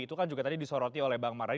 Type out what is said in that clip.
itu kan juga tadi disoroti oleh bang marai